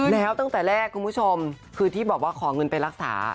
แล้วตั้งแต่แรกคุณผู้ชมคือที่บอกว่าขอเงินไปรักษา